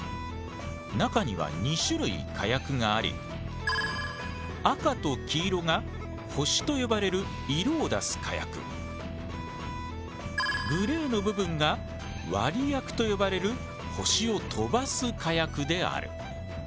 中には２種類火薬があり赤と黄色が「星」と呼ばれる色を出す火薬グレーの部分が「割薬」と呼ばれる星を飛ばす火薬である。